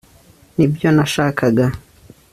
nibyo nashakaga